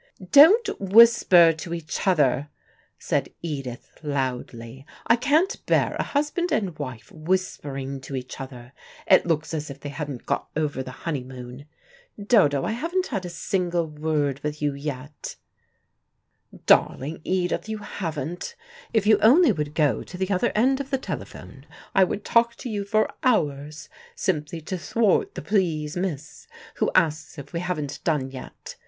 "Don't whisper to each other," said Edith loudly. "I can't bear a husband and wife whispering to each other. It looks as if they hadn't got over the honeymoon. Dodo, I haven't had a single word with you yet " "Darling Edith, you haven't. If you only would go to the other end of the telephone, I would talk to you for hours, simply to thwart the 'please, miss' who asks if we haven't done yet.